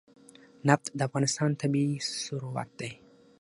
نفت د افغانستان طبعي ثروت دی.